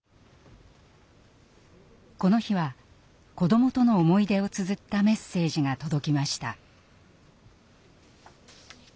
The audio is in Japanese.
この日は子どもとの思い出をつづったメッセージが届きました。